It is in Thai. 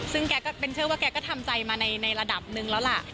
ซึ่งแกก็เป็นเชื่อว่าแกก็ทำใจมาในระดับหนึ่งแล้วล่ะ